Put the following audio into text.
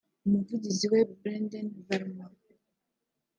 umuvugizi we Brenden Varma